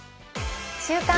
「週刊！